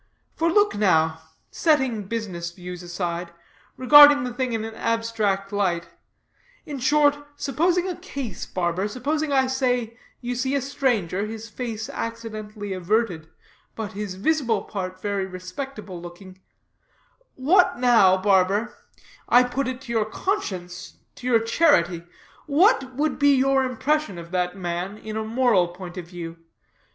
For look now, setting, business views aside, regarding the thing in an abstract light; in short, supposing a case, barber; supposing, I say, you see a stranger, his face accidentally averted, but his visible part very respectable looking; what now, barber I put it to your conscience, to your charity what would be your impression of that man, in a moral point of view?